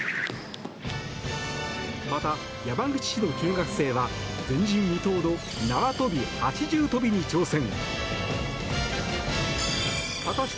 また、山口市の中学生は前人未到の縄跳び８重跳びに挑戦。